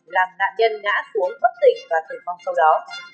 làm nạn nhân ngã xuống bất tỉnh và tử vong sau đó